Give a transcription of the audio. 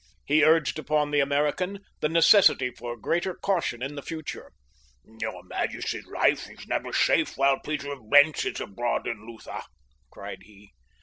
He urged upon the American the necessity for greater caution in the future. "Your majesty's life is never safe while Peter of Blentz is abroad in Lutha," cried he.